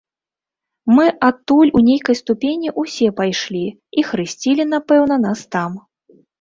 Мы адтуль у нейкай ступені ўсе пайшлі і хрысцілі, напэўна, нас там.